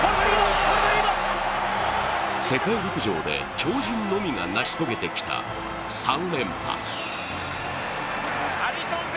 世界陸上で超人のみが成し遂げてきた３連覇。